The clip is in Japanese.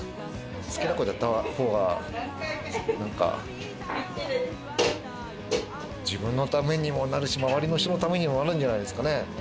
好きなことやったほうが、自分のためにもなるし、周りの人のためにもなるんじゃないですかね。